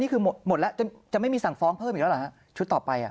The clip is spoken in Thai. นี่คือหมดแล้วจะไม่มีสั่งฟ้องเพิ่มอีกแล้วชุดต่อไปอ่ะ